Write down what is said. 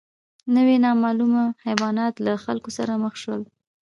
نوي نامعلومه حیوانات له خلکو سره مخ شول.